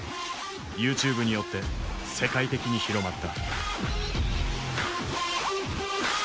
ＹｏｕＴｕｂｅによって世界的に広まった。